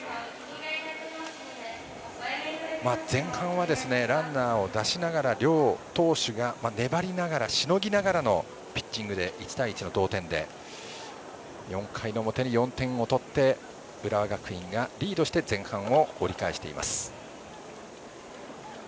前半はランナーを出しながら両投手が粘りながらしのぎながらのピッチングで１対１の同点で４回の表に４点を取って浦和学院がリードして前半を折り返しています。